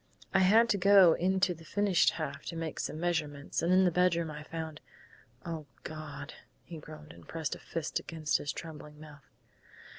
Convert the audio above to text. I had to go into the finished half to make some measurements, and in the bedroom I found oh, God!" he groaned, and pressed a fist against his trembling mouth.